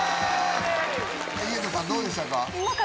井桁さんどうでしたか？